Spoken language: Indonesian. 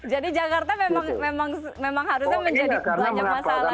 jadi jakarta memang harusnya menjadi banyak masalah gitu kan